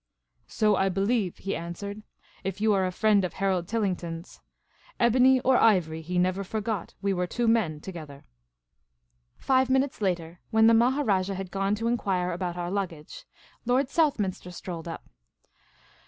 "So I believe," he answered, "if you are a friend of The Magnificent Maharajah 241 Harold Tillingtou's. Ebony or ivory, he never forgot we were two men together." Five minutes later, when the Maharajah had gone to en quire about our luggage, Lord Southminster strolled up.